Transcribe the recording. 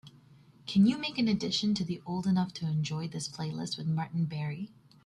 Can you make an addition to the Old Enough To Enjoy This playlist with Martin Barre?